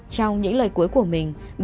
trong những lời cuối của mình